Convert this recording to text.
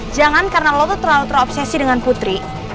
jangan karena logo terlalu terobsesi dengan putri